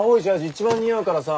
一番似合うからさ。